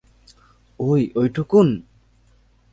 ঐ ঐটুকুন।